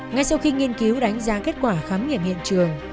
ngay sau khi nghiên cứu đánh giá kết quả khám nghiệm hiện trường